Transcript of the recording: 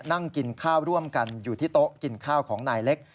นั่งกินข้าวร่วมกันอยู่ที่โต๊ะกินข้าวของนายเล็ก